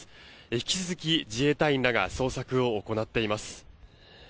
引き続き、自衛隊員らが捜索を行っています。